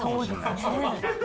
そうですね。